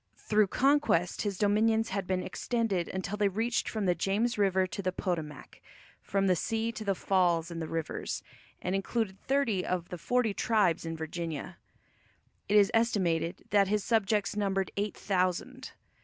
Through conquest his dominions had been extended until they reached from the James River to the Potomac, from the sea to the falls in the rivers, and included thirty of the forty tribes in Virginia. It is estimated that his subjects numbered eight thousand.